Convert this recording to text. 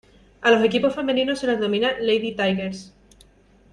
A los equipos femeninos se les denomina "Lady Tigers".